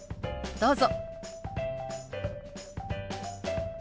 どうぞ。